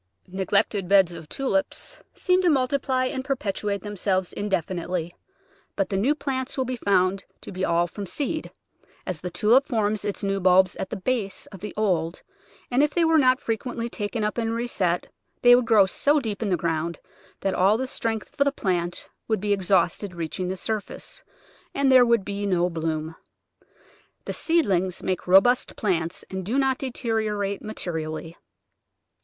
Neglected beds of Tulips seem to multiply and perpetuate themselves indefinitely, but the new plants will be found to be all from seed, as the Tulip forms its new bulbs at the base of the old, and if they were not frequently taken up and reset they would grow so deep in the ground that all the strength of the plant would be exhausted reaching die surface, and there would be no bloom. The seedlings make robust plants, and do not deteriorate materially.